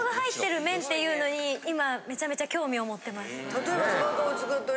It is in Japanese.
例えば。